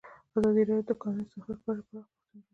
ازادي راډیو د د کانونو استخراج په اړه پراخ بحثونه جوړ کړي.